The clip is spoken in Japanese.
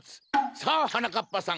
さあはなかっぱさん